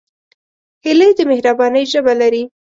هیلۍ د مهربانۍ ژبه لري